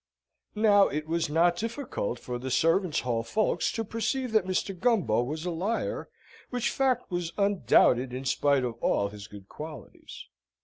Now it was not difficult for the servants' hall folks to perceive that Mr. Gumbo was a liar, which fact was undoubted in spite of all his good qualities.